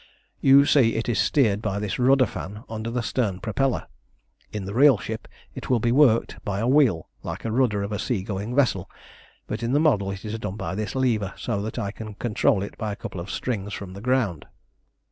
"You see it is steered by this rudder fan under the stern propeller. In the real ship it will be worked by a wheel, like the rudder of a sea going vessel; but in the model it is done by this lever, so that I can control it by a couple of strings from the ground."